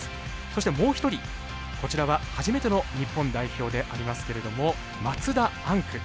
そしてもう一人こちらは初めての日本代表でありますけれども松田天空。